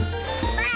ばあ！